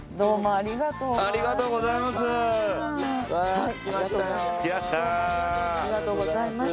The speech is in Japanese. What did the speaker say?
ありがとうございます。